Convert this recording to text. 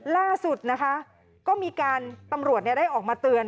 ล่าสุดนะคะก็มีการตำรวจได้ออกมาเตือน